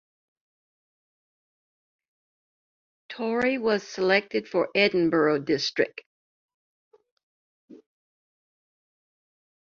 Torrie was selected for Edinburgh District.